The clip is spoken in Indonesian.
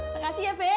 makasih ya be